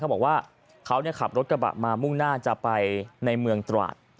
บอกว่าเขาขับรถกระบะมามุ่งหน้าจะไปในเมืองตราด